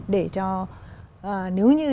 để cho nếu như